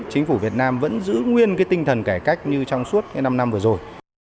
chính phủ việt nam vẫn giữ nguyên tinh thần cải cách như trong suốt năm năm vừa rồi